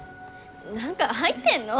何か入ってんの？